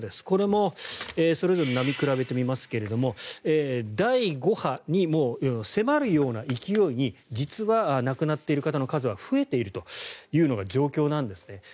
これもそれぞれの波を比べてみますが第５波に迫るような勢いに実は亡くなっている方の数は増えているというのが状況なんですね。